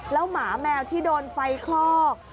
แล้วหมาแมวที่โดนไฟคลอก